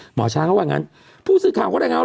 หมอฉ้าเขาว่างั้นผู้สื่อข่าวเขาเลยนะคะ